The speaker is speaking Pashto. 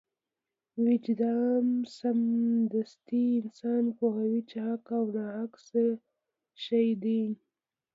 وجدان سمدستي انسان پوهوي چې حق او ناحق څه شی دی.